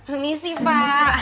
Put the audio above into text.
ini sih pak